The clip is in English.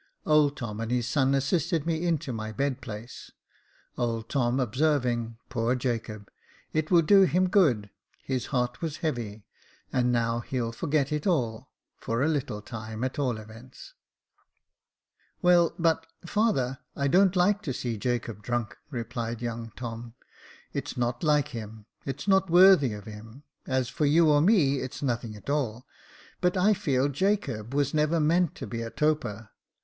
Old Tom and his son assisted me into my bed place, old Tom observing, "Poor Jacob; it will do him good; his heart was heavy, and now he'll forget it all, for a little time, at all events." " Well but, father, I don't like to see Jacob drunk," replied young Tom. *' It's not like him — it's not worthy of him ; as for you or me, it's nothing at all ; but I feel Jacob was never meant to be a toper.